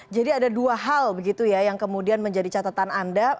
jadi ada dua hal begitu ya yang kemudian menjadi catatan anda